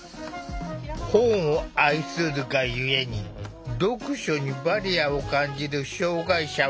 本を愛するがゆえに読書にバリアを感じる障害者は多い。